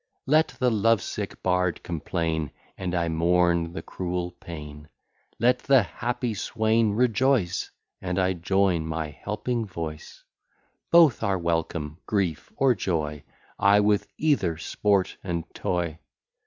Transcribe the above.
Let the lovesick bard complain, And I mourn the cruel pain; Let the happy swain rejoice, And I join my helping voice: Both are welcome, grief or joy, I with either sport and toy.